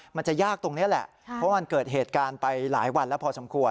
มันจะยากตรงนี้แหละเพราะมันเกิดเหตุการณ์ไปหลายวันแล้วพอสมควร